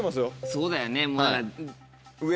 そうだよねもう。